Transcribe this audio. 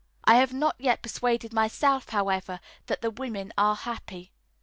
I have not yet persuaded myself, however, that the women are happy.